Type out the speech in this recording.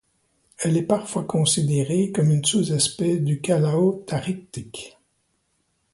Elle est parfois considérée comme une sous-espèce du Calao tarictic.